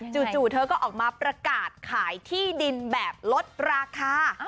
เธอก็ออกมาประกาศขายที่ดินแบบลดราคา